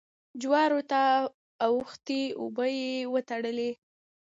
جوارو ته اوښتې اوبه يې وتړلې.